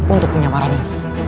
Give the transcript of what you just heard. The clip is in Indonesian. untuk penyamaran ini